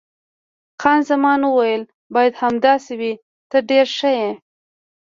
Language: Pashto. خان زمان وویل: باید همداسې وي، ته ډېر ښه یې.